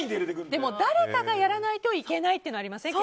でも、誰かがやらないといけないというのはありますよね。